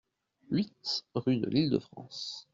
huit rue de L'Île de France